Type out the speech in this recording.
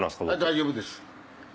大丈夫です。